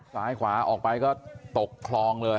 ซ้ายขวาออกไปก็ตกคลองเลย